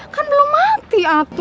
kan belum mati atu